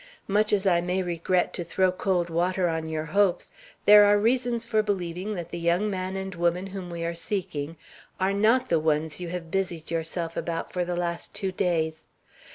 Much as I may regret to throw cold water on your hopes, there are reasons for believing that the young man and woman whom we are seeking are not the ones you have busied yourself about for the last two days.